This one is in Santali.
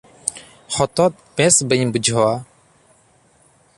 ᱦᱚᱛᱚᱫ ᱵᱮᱥ ᱵᱟᱹᱧ ᱵᱩᱡᱷᱟᱹᱣᱟ ᱾